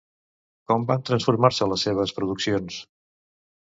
Com van transformar-se les seves produccions?